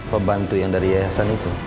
pembantu yang dari yayasan itu